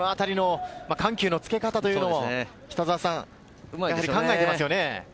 緩急のつけ方というのも、考えていますよね。